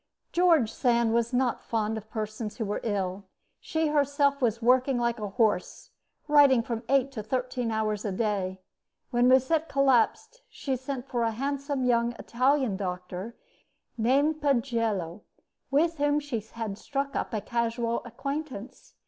George Sand was not fond of persons who were ill. She herself was working like a horse, writing from eight to thirteen hours a day. When Musset collapsed she sent for a handsome young Italian doctor named Pagello, with whom she had struck up a casual acquaintance.